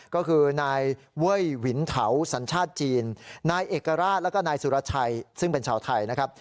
ก็คือนายเว้ยวินเถาสัญชาติจีนนายเอกราชแล้วก็นายสุรชัยซึ่งเป็นชาวไทยนะครับ